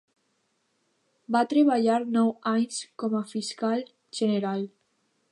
Va treballar nou anys com a fiscal general.